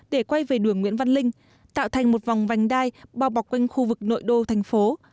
để quay về đường nguyễn văn linh tạo thành một vòng vành đai bao bọc quanh khu vực nội đô thành phố